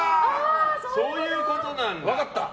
そういうことなんだ。